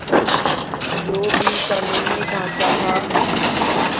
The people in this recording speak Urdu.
جو بھی قانونی ڈھانچہ تھا۔